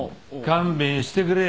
勘弁してくれよ。